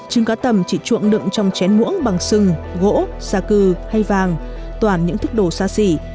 trứng cá tầm chỉ chuộng đựng trong chén muỗng bằng sừng gỗ xa cư hay vàng toàn những thức đồ xa xỉ